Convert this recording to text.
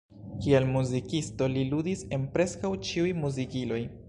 Kiel muzikisto, li ludis en preskaŭ ĉiuj muzikiloj.